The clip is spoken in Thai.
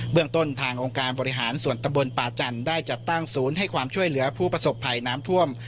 เมืองต้นทางองค์การบริหารส่วนตำบลป่าจันทร์ได้จัดตั้งศูนย์ให้ความช่วยเหลือผู้ประสบภัยน้ำท่วม